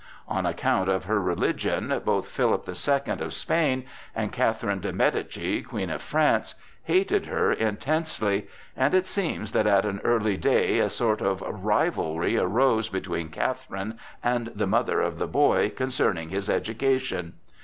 On account of her religion both Philip the Second of Spain and Catherine de Médicis, Queen of France, hated her intensely, and it seems that at an early day a sort of rivalry arose between Catherine and the mother of the boy concerning his education.